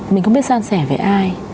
mình không biết san sẻ với ai